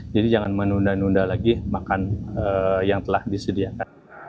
jadi jangan menunda nunda lagi makan yang telah disediakan